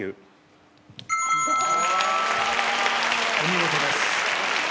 お見事です。